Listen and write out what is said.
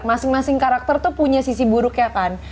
jadi masing masing karakter tuh punya sisi buruknya kan